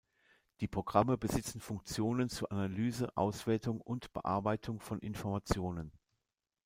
Die Programme besitzen Funktionen zu Analyse, Auswertung und Bearbeitung von Informationen.